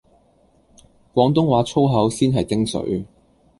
廣東話粗口先係精粹